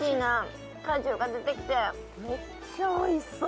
めっちゃ美味しそう。